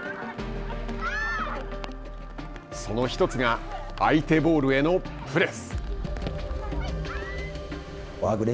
その一つが相手ボールへのプレス。